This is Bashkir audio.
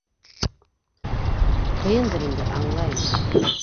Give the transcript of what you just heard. Ҡыйындыр инде - аңлайым.